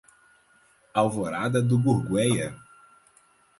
Alvorada do Gurgueia